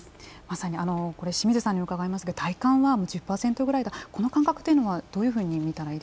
まさにあのこれ清水さんに伺いますけど体感は１０％ぐらいこの感覚というのはどういうふうに見たらいいでしょう？